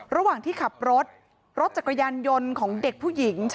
ระหว่างที่ขับรถรถจักรยานยนต์ของเด็กผู้หญิง